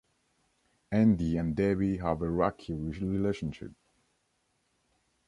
Andy and Debbie have a rocky relationship.